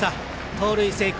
盗塁成功。